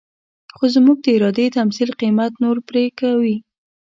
خو زموږ د ارادې تمثيل قيمت نور پرې کوي.